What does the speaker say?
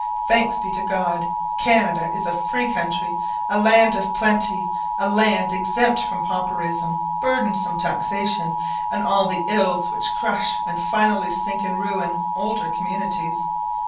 Thanks be to God! Canada is a free country; a land of plenty; a land exempt from pauperism, burdensome taxation, and all the ills which crush and finally sink in ruin older communities.